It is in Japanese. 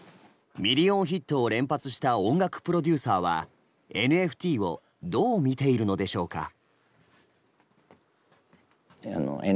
ミリオンヒットを連発した音楽プロデューサーはＮＦＴをどう見ているのでしょうか。